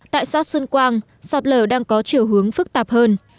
tại xã xuân quang sạt lở đang có chiều hướng phức tạp hơn